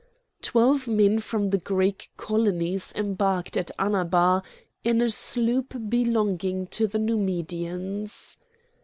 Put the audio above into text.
Twelve men from the Greek colonies embarked at Annaba in a sloop belonging to the Numidians.